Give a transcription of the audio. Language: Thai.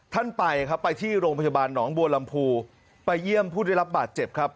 ท่านไปครับไปที่โรงพยาบาลหนองบัวลำพูไปเยี่ยมผู้ได้รับบาดเจ็บครับ